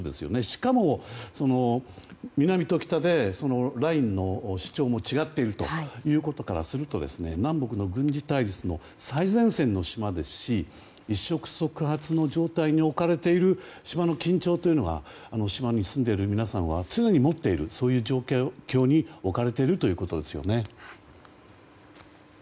しかも南と北でラインの主張も違っているということからすると南北の軍事対立の最前線の島ですし一触即発の状態に置かれている島の緊張というのが島に住んでいる皆さんは常に持っているそういう状況に置かれているということですね。